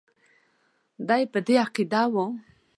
دی په دې عقیده وو.